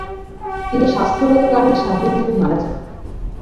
তিনি স্বাস্থ্যগত কারণে স্বাভাবিকভাবে মারা যান।